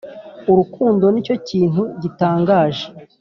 urukundo nicyo kintu gitangaje